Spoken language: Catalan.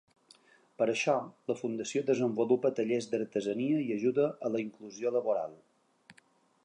Per això, la fundació desenvolupa tallers d’artesania i ajuda a la inclusió laboral.